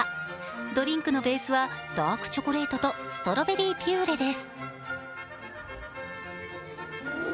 ドリンクのベースはダークチョコレートとストロベリーピューレです。